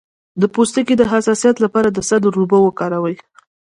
د پوستکي د حساسیت لپاره د سدر اوبه وکاروئ